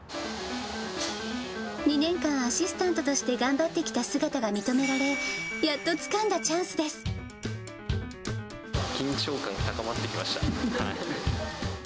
２年間、アシスタントとして頑張ってきた姿が認められ、やっとつ緊張感が高まってきました。